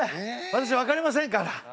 私わかりませんから。